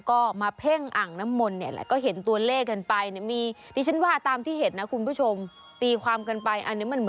ก็มาเพ่งอ่างน้ำมนต์เนี่ย